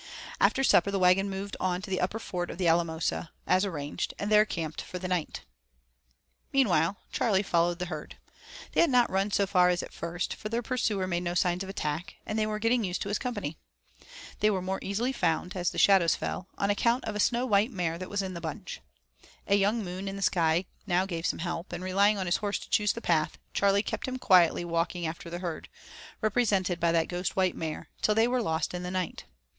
After supper the wagon moved on to the upper ford of the Alamosa, as arranged, and there camped for the night. Meanwhile, Charley followed the herd. They had not run so far as at first, for their pursuer made no sign of attack, and they were getting used to his company. They were more easily found, as the shadows fell, on account of a snow white mare that was in the bunch. A young moon in the sky now gave some help, and relying on his horse to choose the path, Charley kept him quietly walking after the herd, represented by that ghost white mare, till they were lost in the night.